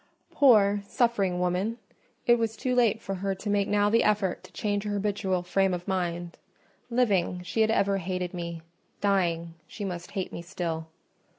Poor, suffering woman! it was too late for her to make now the effort to change her habitual frame of mind: living, she had ever hated me—dying, she must hate me still.